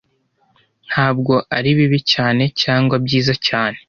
ntabwo ari bibi cyane cyangwa byiza cyane